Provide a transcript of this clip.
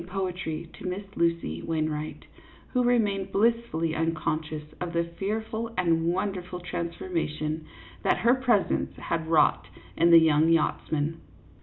49 poetry to Miss Lucy Wainwright, who remained blissfully unconscious of the fearful and wonderful transformation that her presence had wrought in the young yachtsman.